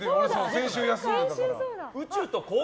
先週休んでたから。